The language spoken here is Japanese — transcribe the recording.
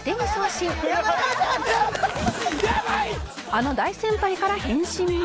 あの大先輩から返信も